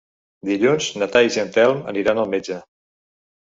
Dilluns na Thaís i en Telm aniran al metge.